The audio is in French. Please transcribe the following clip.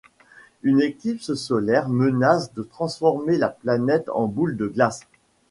Une éclipse solaire menace de transformer la planète en boule de glace.